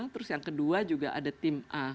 terus yang kedua juga ada tim a